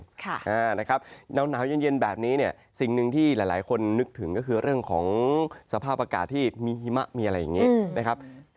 ฝนได้จะหนาวเย็นแบบนี้เนี่ยสิ่งหนึ่งที่หลายคนนึกถึงก็คือเรื่องของสภาพอากาศที่มีหิมะมีอะไรอย่างนี้